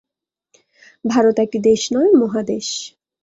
ভারত একটি দেশ নয়, মহাদেশ।